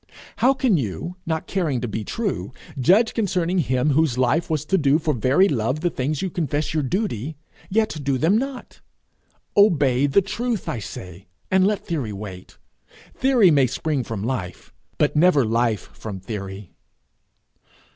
How can you, not caring to be true, judge concerning him whose life was to do for very love the things you confess your duty, yet do them not? Obey the truth, I say, and let theory wait. Theory may spring from life, but never life from theory.